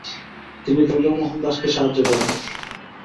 তিনি দুৰ্গামোহন দাশকে সাহায্য করেন।